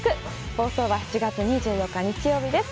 放送は７月２４日、日曜日です。